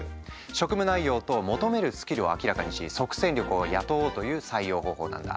職務内容と求めるスキルを明らかにし即戦力を雇おうという採用方法なんだ。